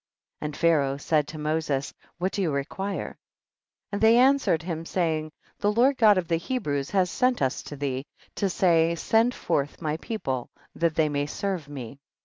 25. And Pharaoh said to Moses, what do you require ? and they an swered him, saying, the Lord God of the Hebrews has sent us to thee, to say, send forth my people that they may serve me.